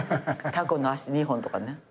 タコの足２本とかね。